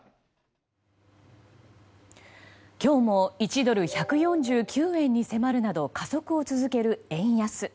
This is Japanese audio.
今日も１ドル＝１４９円に迫るなど加速を続ける円安。